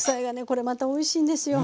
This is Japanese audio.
これまたおいしいんですよ。